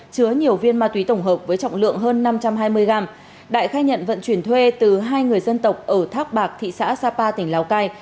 chứa nhiều viên ma túy tổng hợp với trọng lượng hơn năm trăm hai mươi gram đại khai nhận vận chuyển thuê từ hai người dân tộc ở thác bạc thị xã sapa tỉnh lào cai